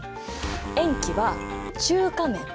塩基は中華麺。